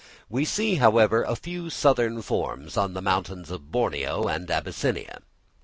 We see, however, a few southern forms on the mountains of Borneo and Abyssinia.